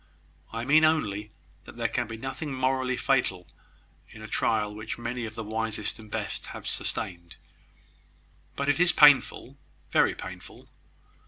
I mean only that there can be nothing morally fatal in a trial which many of the wisest and best have sustained." "But it is painful very painful."